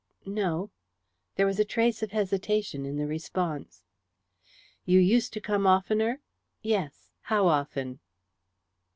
"No." There was a trace of hesitation in the response. "You used to come oftener?" "Yes." "How often?"